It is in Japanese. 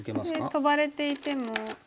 トバれていても。